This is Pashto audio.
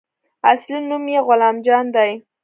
اصلي نوم يې غلام جان دى.